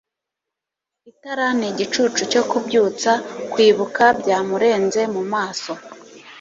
Itara nigicucu cyo kubyutsa kwibuka byamurenze mumaso